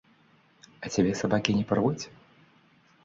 А цябе сабакі не парвуць?